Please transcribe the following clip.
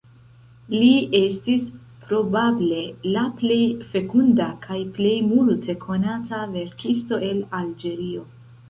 Li estis probable la plej fekunda kaj plej multe konata verkisto el Alĝerio.